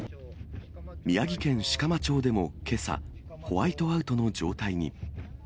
宮城県色麻町でもけさ、ホワイトアウトの状態に。